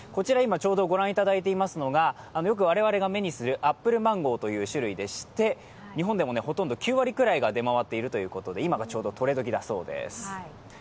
ご覧いただいていますのが、我々がよく目にするアップルマンゴーでして、日本でもほとんど９割くらいが出回っているということで今がちょうどとれ時だそうです。